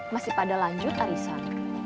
masih pada lanjut arisan